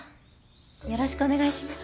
よろしくお願いします。